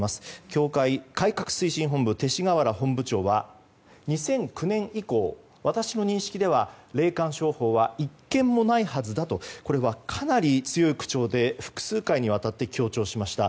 教会改革推進本部の勅使河原本部長は２００９年以降私の認識では霊感商法は１件もないはずだとかなり強い口調で複数回にわたって強調しました。